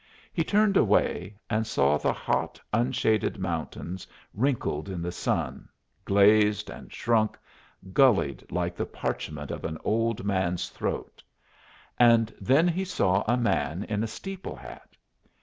He turned away and saw the hot, unshaded mountains wrinkled in the sun, glazed and shrunk, gullied like the parchment of an old man's throat; and then he saw a man in a steeple hat.